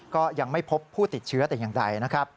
ก็ยังไม่พบผู้ติดเชื้อแต่อย่างใดนะครับ